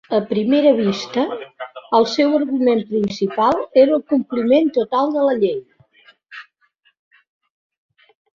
A primera vista, el seu argument principal era el compliment total de la llei.